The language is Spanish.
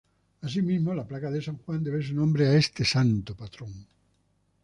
Así mismo la plaza de San Juan debe su nombre a este santo patrón.